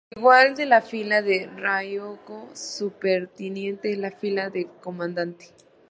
El igual de la fila de Ryoko superintendente es la fila de comandante.